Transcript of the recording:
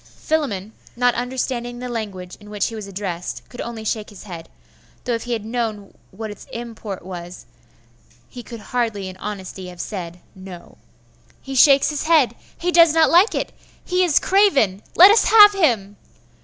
Philammon, not understanding the language in which he was addressed, could only shake his head though if he had known what its import was, he could hardly in honesty have said, No. 'He shakes his head! He does not like it! He is craven! Let us have him!